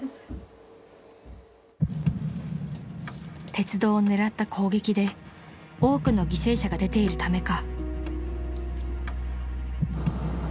［鉄道を狙った攻撃で多くの犠牲者が出ているためか］